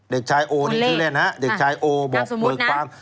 เด็กชายโอนี่ชื่อเล่นฮะเด็กชายโอบอกเบิกความ